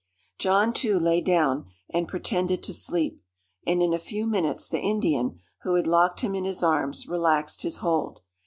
John, too, lay down, and pretended to sleep; and in a few minutes, the Indian, who had locked him in his arms, relaxed his hold.